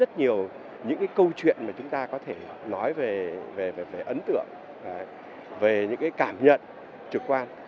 rất nhiều những câu chuyện mà chúng ta có thể nói về ấn tượng về những cảm nhận trực quan